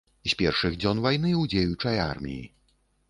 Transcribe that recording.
З першых дзён вайны ў дзеючай арміі.